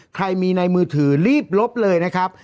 ใครมีในมือถือรีบลบเลยนะครับ